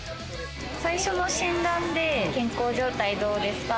最初の診断で健康状態どうですか？